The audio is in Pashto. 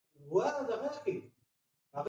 همدغه منفي اعتقاد د دوی لاشعور ته لاره کړې.